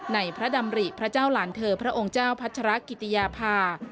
ในพระดำริพระเจ้าหลานเธอพระองค์เจ้าพัชรกิติยาภา